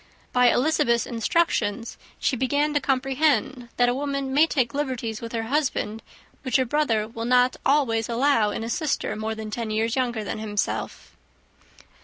By Elizabeth's instructions she began to comprehend that a woman may take liberties with her husband, which a brother will not always allow in a sister more than ten years younger than himself.